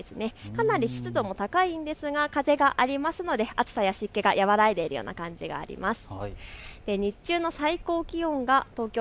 かなり湿度も高いんですが風がありますので暑さが和らいでいるような感じがあります。